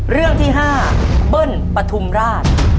เรื่องที่๕เบิ้ลปฐุมราช